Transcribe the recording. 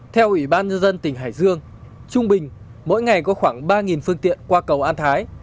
theo ủy ban nhân dân tỉnh hải dương trung bình mỗi ngày có khoảng ba phương tiện qua cầu an thái